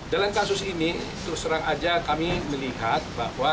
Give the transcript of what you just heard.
dalam kasus ini terus terang aja kami melihat bahwa